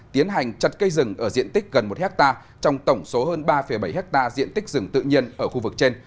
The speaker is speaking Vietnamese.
tiến hành chặt cây rừng ở diện tích gần một hectare trong tổng số hơn ba bảy hectare diện tích rừng tự nhiên ở khu vực trên